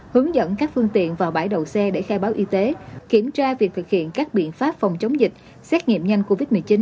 hướng dẫn các phương tiện vào bãi đậu xe để khai báo y tế kiểm tra việc thực hiện các biện pháp phòng chống dịch xét nghiệm nhanh covid một mươi chín